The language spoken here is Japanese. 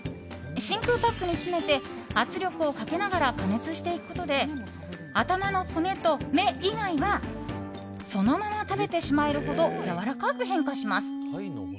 真空パックに詰めて圧力をかけながら加熱していくことで頭の骨と目以外はそのまま食べてしまえるほどやわらかく変化します。